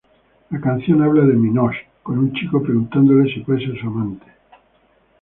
La canción habla de Minogue con un chico preguntándole si puede ser su amante.